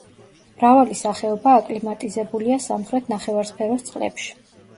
მრავალი სახეობა აკლიმატიზებულია სამხრეთ ნახევარსფეროს წყლებში.